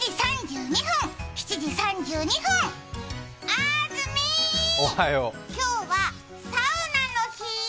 あずみ今日はサウナの日。